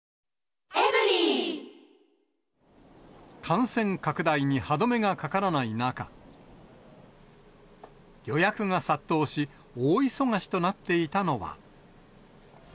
感染拡大に歯止めがかからない中、予約が殺到し、大忙しとなっていたのは。